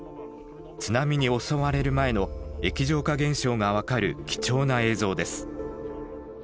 津波に襲われる前の液状化現象が分かる貴重な映像です。